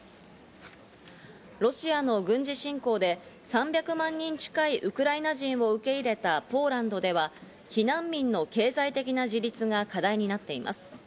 ロシアの軍事侵攻で３００万人近いウクライナ人を受け入れたポーランドでは避難民の経済的な自立が課題になっています。